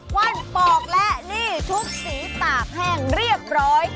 ว่านปอกและนี่ทุกสีตากแห้งเรียบร้อย